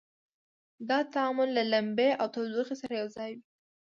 دا تعامل له لمبې او تودوخې سره یو ځای وي.